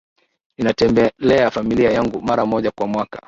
Ninatembelea familia yangu mara moja kwa mwaka